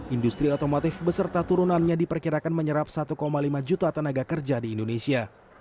industri otomotif beserta turunannya diperkirakan menyerap satu lima juta tenaga kerja di indonesia